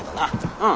うん。